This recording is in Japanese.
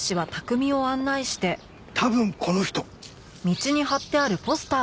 多分この人。